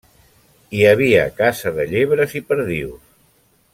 Hi havia caça de llebres i perdius.